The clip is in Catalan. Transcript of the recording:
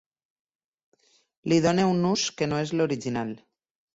Li dono un ús que no és l'original.